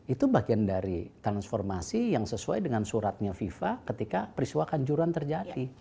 itu bagian dari transformasi yang sesuai dengan suratnya fifa ketika peristiwa kanjuran terjadi